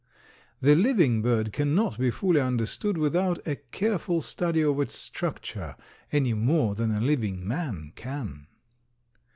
The living bird cannot be fully understood without a careful study of its structure any more than a living man can.